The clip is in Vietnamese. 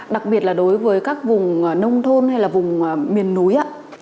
đặc biệt là đối với các vùng nông thôn hay là vùng miền núi